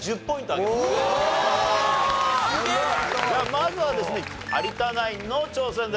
まずはですね有田ナインの挑戦です。